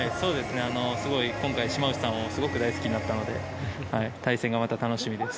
すごい今回島内さんをすごく大好きになったので対戦が楽しみです。